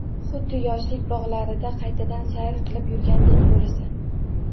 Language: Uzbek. Xuddi yoshlik bog`larida qaytadan sayr qilib yurgandek bo`lasan